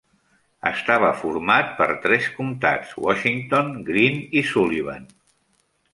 Estava format per tres comtats: Washington, Greene i Sullivan.